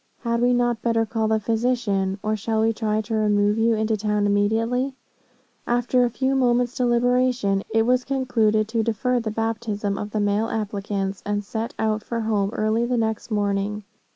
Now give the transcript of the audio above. Had we not better call the physician? Or shall we try to remove you into town immediately?' After a few moments' deliberation, it was concluded to defer the baptism of the male applicants, and set out for home early the next morning.